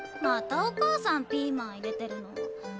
またお母さんピーマン入れてるの。